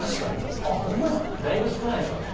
だいぶ少ないんすかね。